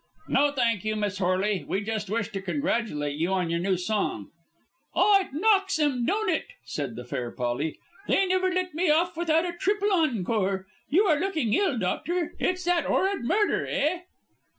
"No, thank you, Miss Horley. We just wish to congratulate you on your new song." "Ah, it knocks 'em, don't it?" said the fair Polly. "They never let me off without a triple encore. You are looking ill, doctor. It's that 'orrid murder, eh?"